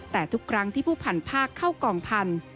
แต่ทุกครั้งที่ผู้พันภาคเข้ากองพันธุ์